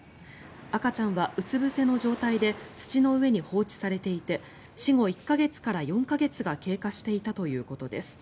赤ちゃんはうつぶせの状態で土の上に放置されていて死後１か月から４か月が経過していたということです。